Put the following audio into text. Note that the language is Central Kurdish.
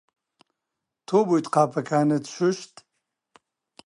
تۆ بوویت قاپەکانت شوشت؟